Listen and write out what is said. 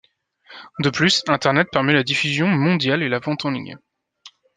De plus, internet permet la diffusion mondiale et la vente en ligne.